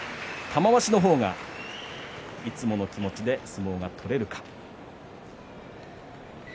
玉鷲の方がいつもの気持ちで相撲が取れるか。